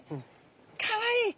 かわいい。